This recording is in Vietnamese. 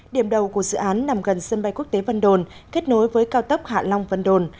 điểm đầu của dự án nằm gần sân bay quốc tế vân đồn kết nối với cao tốc hạ long vân đồn